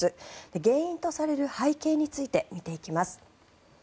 原因とされる背景について見ていきます。